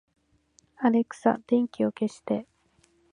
アレクサ、電気を消して